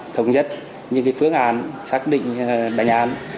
thống nhất những phương án xác định